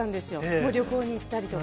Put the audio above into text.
もう旅行に行ったりとか。